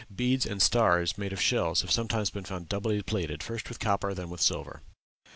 Beads and stars made of shells have sometimes been found doubly plated, first with copper then with silver.